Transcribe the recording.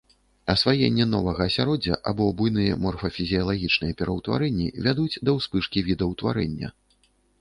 Асваенне новага асяроддзя або буйныя морфафізіялагічныя пераўтварэнні вядуць да ўспышкі відаўтварэння.